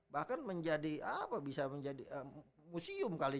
bahkan menjadi apa bisa menjadi museum kali